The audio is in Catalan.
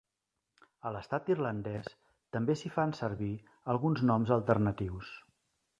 A l'estat irlandès també s'hi fan servir alguns noms alternatius.